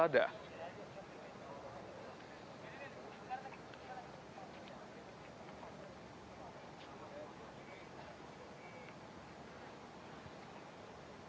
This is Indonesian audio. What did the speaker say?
saya sudah lihat di dalam video ini